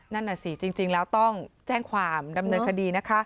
นั่นน่ะสิจริงแล้วต้องแจ้งความดำเนินคดีนะคะ